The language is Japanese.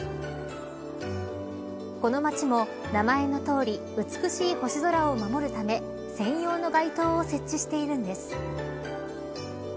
この街も名前の通り美しい星空を守るため専用の街灯を設置しているんです。